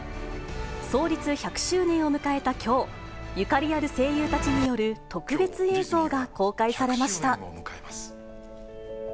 創立１００周年を迎えたきょう、ゆかりある声優たちによる特別映像が公開されました。